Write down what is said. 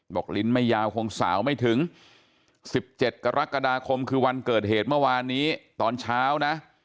ลิ้นไม่ยาวคงสาวไม่ถึง๑๗กรกฎาคมคือวันเกิดเหตุเมื่อวานนี้ตอนเช้านะ